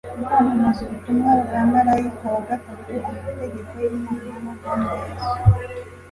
kwamamaza ubutumwa bwa marayika wa gatatu, amategeko y'imana no guhamya yesu